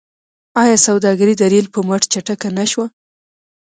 آیا سوداګري د ریل په مټ چټکه نشوه؟